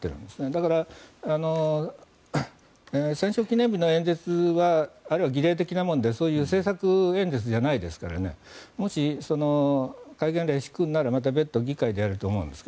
だから、戦勝記念日の演説はあれは儀礼的なもので政策演説じゃないですからねもし、戒厳令を敷くならまた別途議会でやると思うんです。